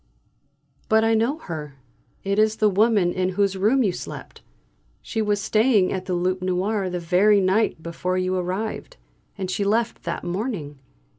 "But I know her! It is the woman in whose room you slept! She was staying at the 'Loup Noir' the very night before you arrived, and she left that morning.